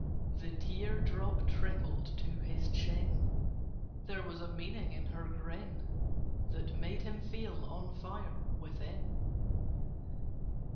The tear drop trickled to his chin: There was a meaning in her grin That made him feel on fire within.